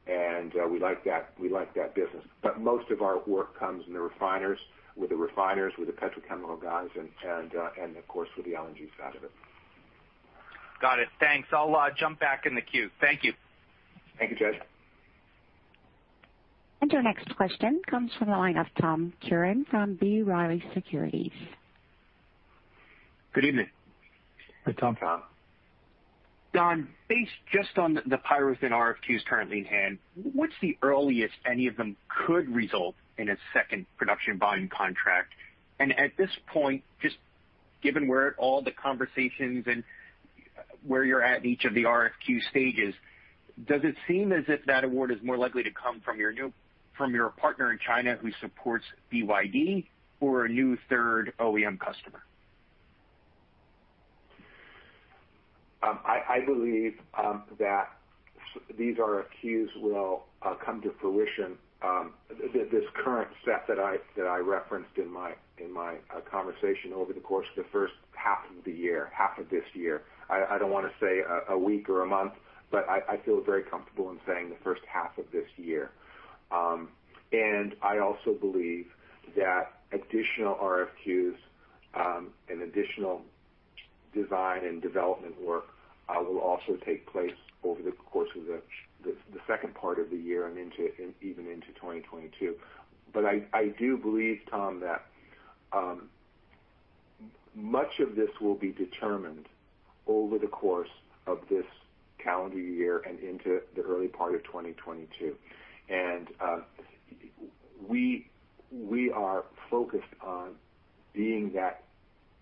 And we like that business. But most of our work comes in the refiners, with the refiners, with the petrochemical plants, and of course, with the LNG side of it. Got it. Thanks. I'll jump back in the queue. Thank you. Thank you, Jed. Our next question comes from the line of Tom Curran from B. Riley Securities. Good evening. Hi, Tom. John, based just on the PyroThin RFQs currently in hand, what's the earliest any of them could result in a second production volume contract? And at this point, just given where all the conversations and where you're at in each of the RFQ stages, does it seem as if that award is more likely to come from your partner in China who supports BYD or a new third OEM customer? I believe that these RFQs will come to fruition, this current set that I referenced in my conversation over the course of the first half of the year, half of this year. I don't want to say a week or a month, but I feel very comfortable in saying the first half of this year, and I also believe that additional RFQs and additional design and development work will also take place over the course of the second part of the year and even into 2022, but I do believe, Tom, that much of this will be determined over the course of this calendar year and into the early part of 2022. We are focused on being that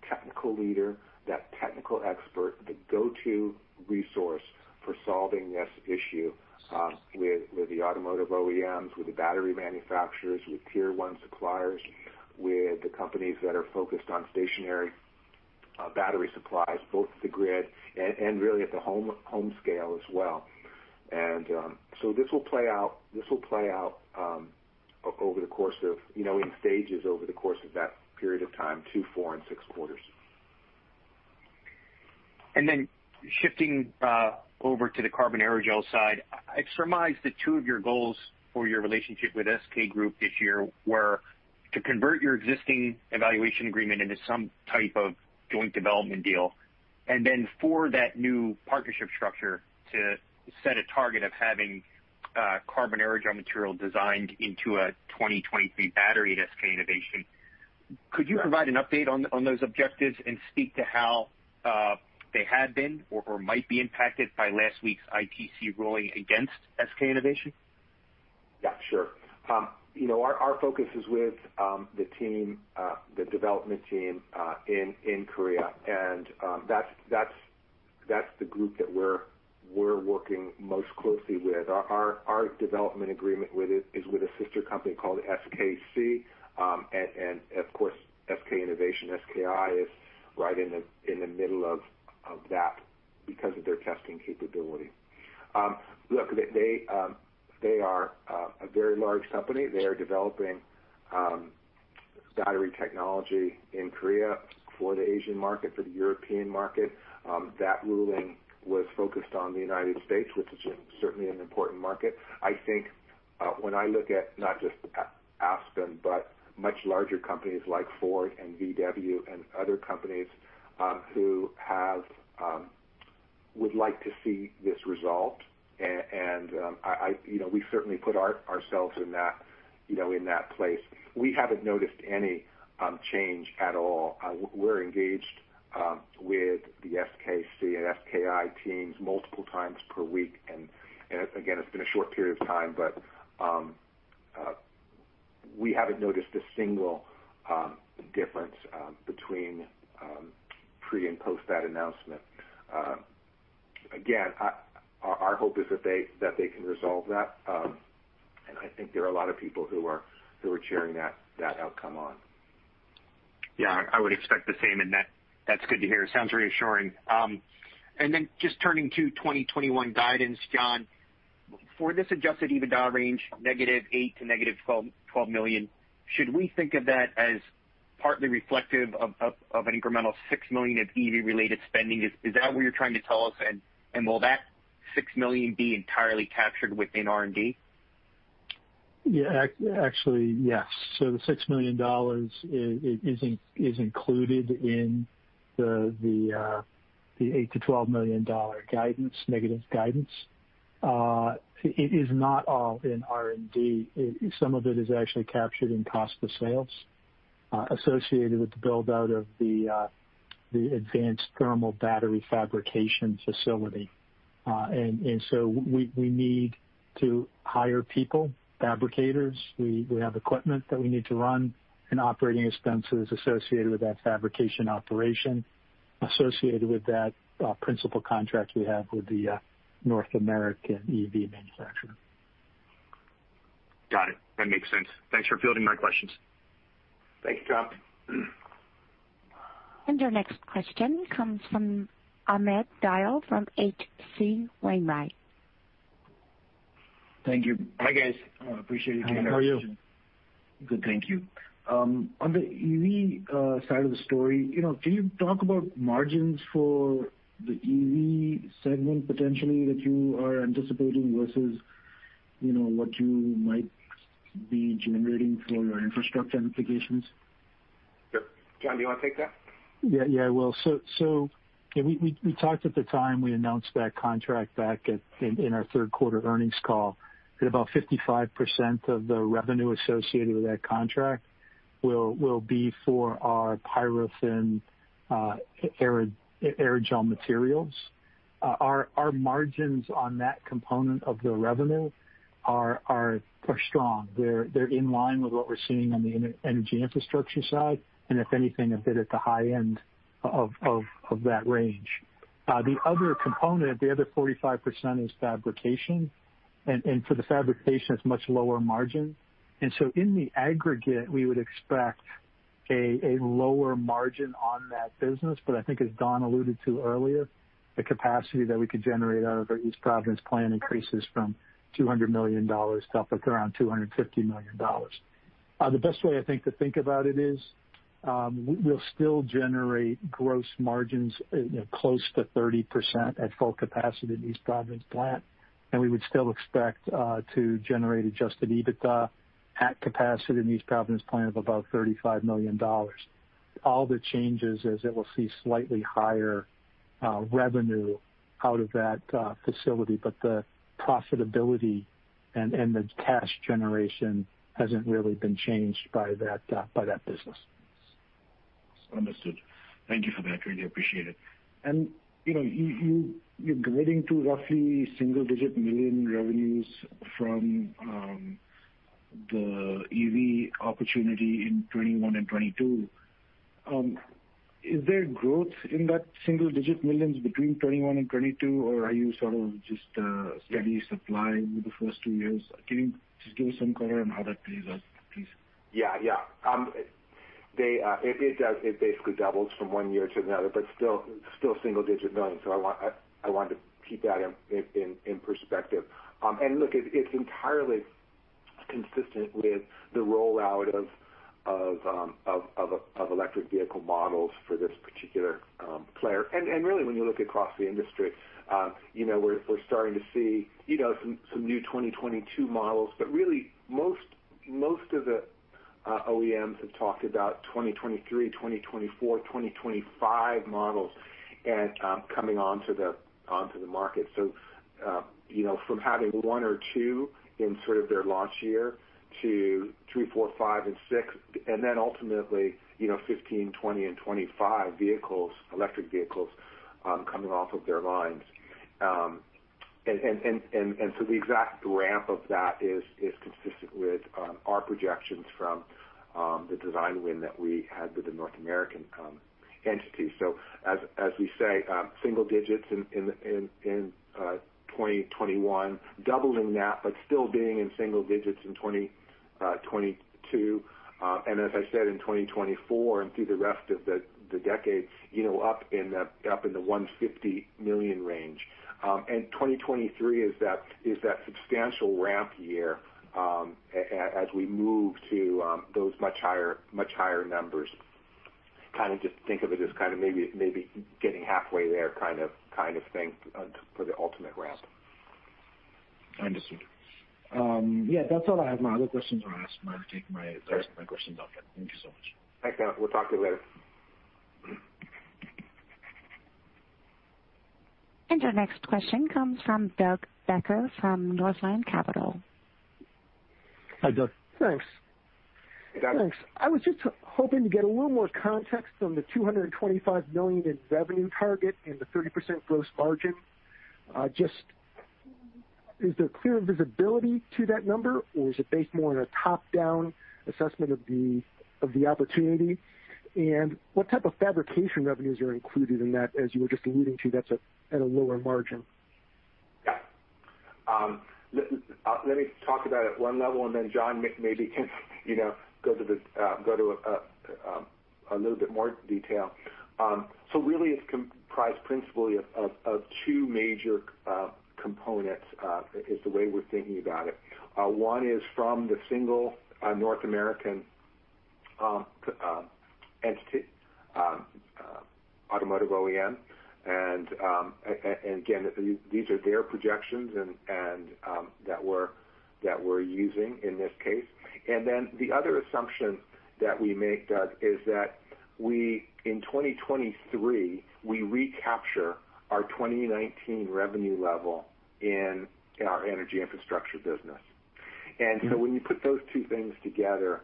technical leader, that technical expert, the go-to resource for solving this issue with the automotive OEMs, with the battery manufacturers, with tier one suppliers, with the companies that are focused on stationary battery supplies, both at the grid and really at the home scale as well. This will play out over the course of in stages over the course of that period of time, two, four, and six quarters. And then shifting over to the carbon aerogel side, it's surmised that two of your goals for your relationship with SK Group this year were to convert your existing evaluation agreement into some type of joint development deal. And then for that new partnership structure to set a target of having carbon aerogel material designed into a 2023 battery at SK Innovation. Could you provide an update on those objectives and speak to how they had been or might be impacted by last week's ITC ruling against SK Innovation? Yeah, sure. Our focus is with the team, the development team in Korea. And that's the group that we're working most closely with. Our development agreement is with a sister company called SKC. And of course, SK Innovation, SKI, is right in the middle of that because of their testing capability. Look, they are a very large company. They are developing battery technology in Korea for the Asian market, for the European market. That ruling was focused on the United States, which is certainly an important market. I think when I look at not just Aspen, but much larger companies like Ford and VW and other companies who would like to see this resolved. And we certainly put ourselves in that place. We haven't noticed any change at all. We're engaged with the SKC and SKI teams multiple times per week. And again, it's been a short period of time, but we haven't noticed a single difference between pre and post that announcement. Again, our hope is that they can resolve that. And I think there are a lot of people who are cheering that outcome on. Yeah, I would expect the same. And that's good to hear. It sounds reassuring. And then just turning to 2021 guidance, John, for this adjusted EBITDA dollar range, -$8 million-$12 million, should we think of that as partly reflective of an incremental $6 million of EV-related spending? Is that what you're trying to tell us? And will that $6 million be entirely captured within R&D? Yeah, actually, yes. So the $6 million is included in the $8 million-$12 million guidance, negative guidance. It is not all in R&D. Some of it is actually captured in cost of sales associated with the build-out of the advanced thermal battery fabrication facility. And so we need to hire people, fabricators. We have equipment that we need to run. And operating expenses associated with that fabrication operation associated with that principal contract we have with the North American EV manufacturer. Got it. That makes sense. Thanks for fielding my questions. Thanks, Tom. And our next question comes from Amit Dayal from H.C. Wainwright. Thank you. Hi, guys. Appreciate you coming up. How are you? Good, thank you. On the EV side of the story, can you talk about margins for the EV segment potentially that you are anticipating versus what you might be generating for your infrastructure and applications? John, do you want to take that? Yeah, yeah, I will. So we talked at the time we announced that contract back in our third quarter earnings call that about 55% of the revenue associated with that contract will be for our PyroThin aerogel materials. Our margins on that component of the revenue are strong. They're in line with what we're seeing on the energy infrastructure side, and if anything, a bit at the high end of that range. The other component, the other 45%, is fabrication. And for the fabrication, it's much lower margin. And so in the aggregate, we would expect a lower margin on that business. But I think, as Don alluded to earlier, the capacity that we could generate out of our East Providence plant increases from $200 million to up to around $250 million. The best way, I think, to think about it is we'll still generate gross margins close to 30% at full capacity in the East Providence plant. And we would still expect to generate Adjusted EBITDA at capacity in the East Providence plant of about $35 million. All the changes is that we'll see slightly higher revenue out of that facility. But the profitability and the cash generation hasn't really been changed by that business. Understood. Thank you for that. Really appreciate it. And you're getting to roughly single-digit million revenues from the EV opportunity in 2021 and 2022. Is there growth in that single-digit millions between 2021 and 2022, or are you sort of just steady supply in the first two years? Can you just give us some color on how that plays out, please? Yeah, yeah. It basically doubles from one year to another, but still single-digit millions, so I want to keep that in perspective, and look, it's entirely consistent with the rollout of electric vehicle models for this particular player, and really, when you look across the industry, we're starting to see some new 2022 models, but really, most of the OEMs have talked about 2023, 2024, 2025 models coming onto the market, so from having one or two in sort of their launch year to three, four, five, and six, and then ultimately 15, 20, and 25 electric vehicles coming off of their lines, and so the exact ramp of that is consistent with our projections from the design win that we had with the North American entity, so as we say, single digits in 2021, doubling that, but still being in single digits in 2022. As I said, in 2024 and through the rest of the decade, up in the $150 million range. 2023 is that substantial ramp year as we move to those much higher numbers. Kind of just think of it as kind of maybe getting halfway there kind of thing for the ultimate ramp. I understand. Yeah, that's all I have. My other questions are asked. I'm going to take my rest of my questions off that. Thank you so much. Thanks, Amit. We'll talk to you later. Our next question comes from Doug Becker from Northland Capital Markets. Hi, Doug. Thanks. Thanks. I was just hoping to get a little more context on the $225 million in revenue target and the 30% gross margin. Just is there clear visibility to that number, or is it based more on a top-down assessment of the opportunity? And what type of fabrication revenues are included in that, as you were just alluding to, that's at a lower margin? Yeah. Let me talk about it at one level, and then John maybe can go to a little bit more detail. So really, it's comprised principally of two major components is the way we're thinking about it. One is from the single North American entity, automotive OEM. And again, these are their projections that we're using in this case. And then the other assumption that we make, Doug, is that in 2023, we recapture our 2019 revenue level in our energy infrastructure business. And so when you put those two things together,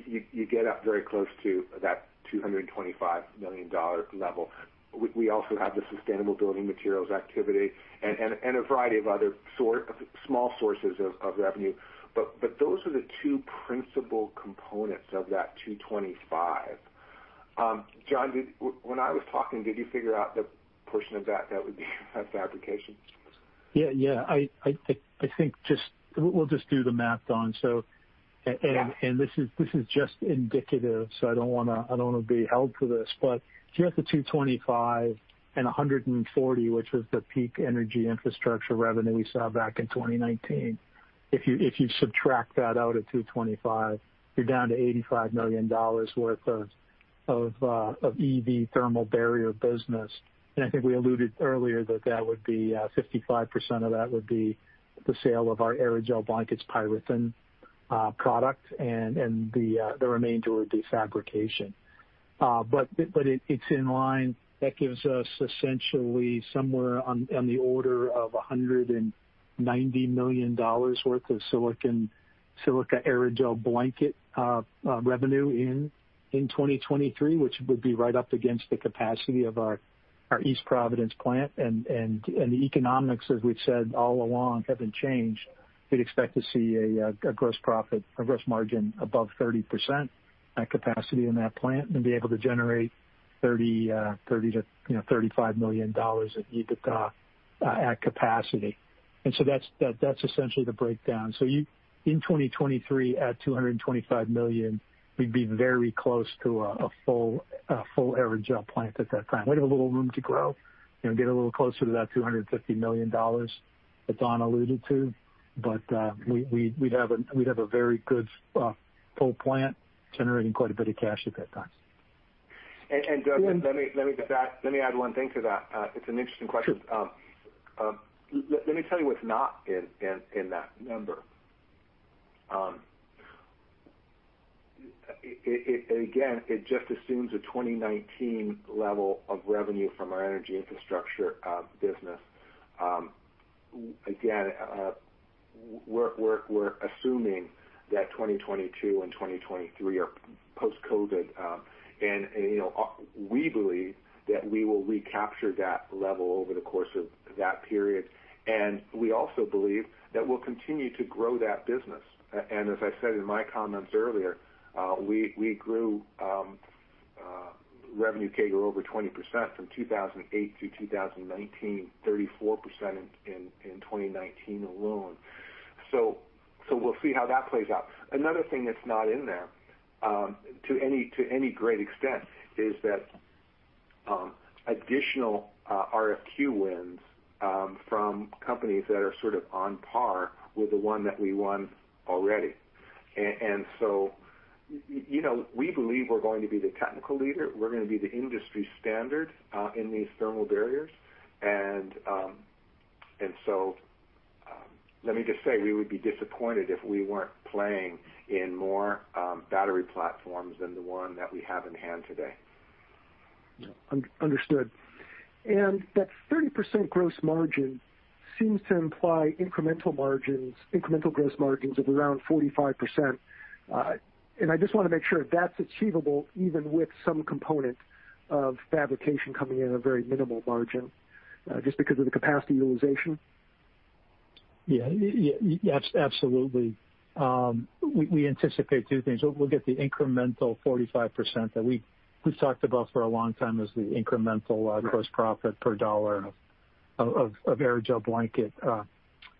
you get up very close to that $225 million level. We also have the sustainable building materials activity and a variety of other small sources of revenue. But those are the two principal components of that 225. John, when I was talking, did you figure out the portion of that that would be fabrication? Yeah, yeah. I think we'll just do the math, Don, and this is just indicative, so I don't want to be held to this. But if you have the 225 and 140, which was the peak energy infrastructure revenue we saw back in 2019, if you subtract that out of 225, you're down to $85 million worth of EV thermal barrier business, and I think we alluded earlier that that would be 55% of that would be the sale of our aerogel blankets PyroThin product, and the remainder would be fabrication, but it's in line. That gives us essentially somewhere on the order of $190 million worth of silica aerogel blanket revenue in 2023, which would be right up against the capacity of our East Providence plant, and the economics, as we've said all along, haven't changed. We'd expect to see a gross margin above 30% at capacity in that plant and be able to generate $30-$35 million of EBITDA at capacity. And so that's essentially the breakdown. So in 2023, at $225 million, we'd be very close to a full aerogel plant at that time. We'd have a little room to grow, get a little closer to that $250 million that Don alluded to. But we'd have a very good full plant generating quite a bit of cash at that time. And Doug, let me add one thing to that. It's an interesting question. Let me tell you what's not in that number. Again, it just assumes a 2019 level of revenue from our energy infrastructure business. Again, we're assuming that 2022 and 2023 are post-COVID. And we believe that we will recapture that level over the course of that period. And we also believe that we'll continue to grow that business. And as I said in my comments earlier, we grew revenue CAGR over 20% from 2008 to 2019, 34% in 2019 alone. So we'll see how that plays out. Another thing that's not in there to any great extent is that additional RFQ wins from companies that are sort of on par with the one that we won already. And so we believe we're going to be the technical leader. We're going to be the industry standard in these thermal barriers. And so let me just say, we would be disappointed if we weren't playing in more battery platforms than the one that we have in hand today. Yeah, understood. And that 30% gross margin seems to imply incremental gross margins of around 45%. And I just want to make sure that that's achievable even with some component of fabrication coming in at a very minimal margin just because of the capacity utilization? Yeah, absolutely. We anticipate two things. We'll get the incremental 45% that we've talked about for a long time as the incremental gross profit per dollar of aerogel blanket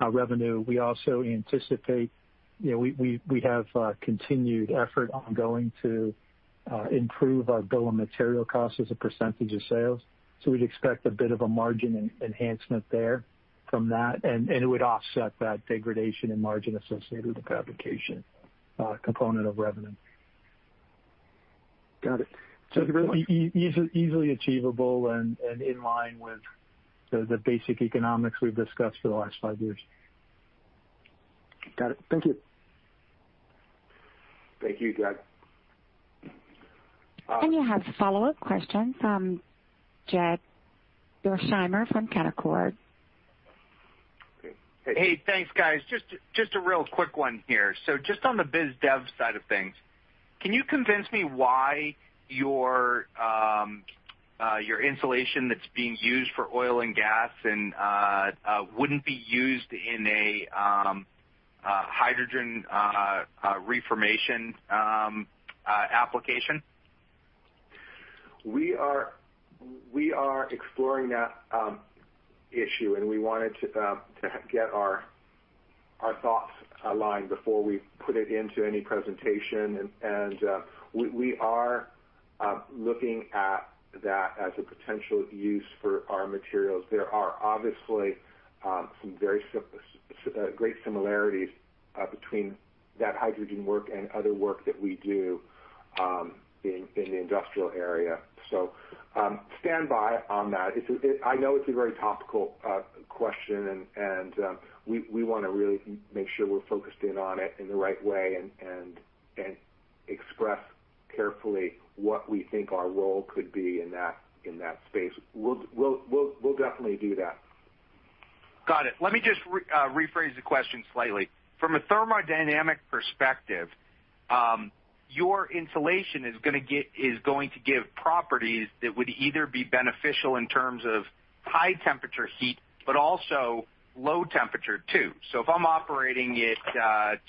revenue. We also anticipate we have continued effort ongoing to improve our bill of material costs as a percentage of sales. So we'd expect a bit of a margin enhancement there from that. And it would offset that degradation in margin associated with the fabrication component of revenue. Got it. So easily achievable and in line with the basic economics we've discussed for the last five years. Got it. Thank you. Thank you, Doug. And you had a follow-up question from Jed Dorsheimer from Canaccord. Hey, thanks, guys. Just a real quick one here. So just on the biz dev side of things, can you convince me why your insulation that's being used for oil and gas wouldn't be used in a hydrogen reformation application? We are exploring that issue, and we wanted to get our thoughts aligned before we put it into any presentation, and we are looking at that as a potential use for our materials. There are obviously some very great similarities between that hydrogen work and other work that we do in the industrial area, so stand by on that. I know it's a very topical question, and we want to really make sure we're focused in on it in the right way and express carefully what we think our role could be in that space. We'll definitely do that. Got it. Let me just rephrase the question slightly. From a thermodynamic perspective, your insulation is going to give properties that would either be beneficial in terms of high temperature heat, but also low temperature too. So if I'm operating it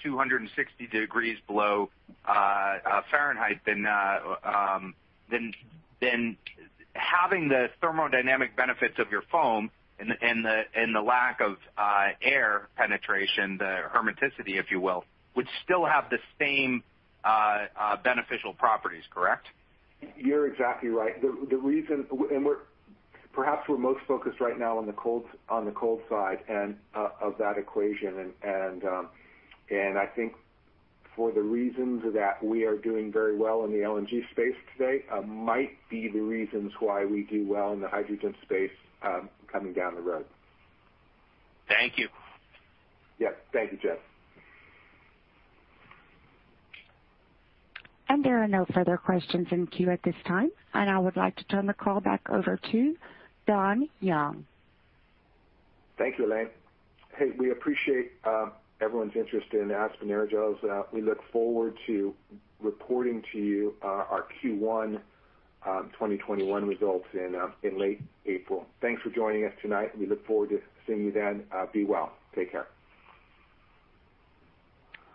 260 degrees below Fahrenheit, then having the thermodynamic benefits of your foam and the lack of air penetration, the hermeticity, if you will, would still have the same beneficial properties, correct? You're exactly right. And perhaps we're most focused right now on the cold side of that equation. And I think for the reasons that we are doing very well in the LNG space today might be the reasons why we do well in the hydrogen space coming down the road. Thank you. Yes, thank you, Jed. There are no further questions in queue at this time. I would like to turn the call back over to Don Young. Thank you, Elaine. Hey, we appreciate everyone's interest in the Aspen Aerogels. We look forward to reporting to you our Q1 2021 results in late April. Thanks for joining us tonight. We look forward to seeing you then. Be well. Take care.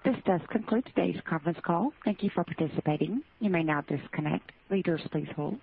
This does conclude today's conference call. Thank you for participating. You may now disconnect. Speakers, please hold.